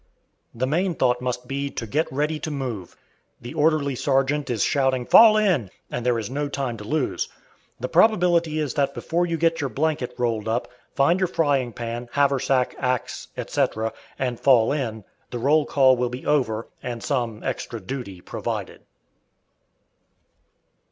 The main thought must be to "get ready to move." The orderly sergeant is shouting "Fall in!" and there is no time to lose. The probability is that before you get your blanket rolled up, find your frying pan, haversack, axe, etc., and "fall in," the roll call will be over, and some "extra duty" provided.